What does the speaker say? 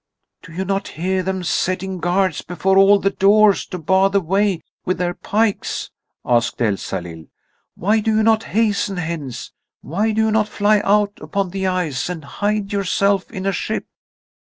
"Do you not hear them setting guards before all the doors to bar the way with their pikes?" asked Elsalill. "Why do you not hasten hence? Why do you not fly out upon the ice and hide yourself in a ship?"